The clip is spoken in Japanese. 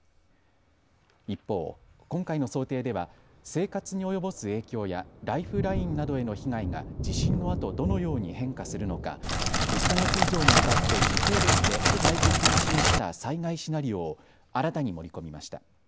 一方、今回の想定では生活に及ぼす影響やライフラインなどへの被害が地震のあとどのように変化するのか１か月以上にわたって時系列で具体的に示した災害シナリオを新たに盛り込みました。